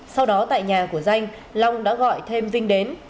sau đó tại nhà của danh long đã gọi thêm vinh đến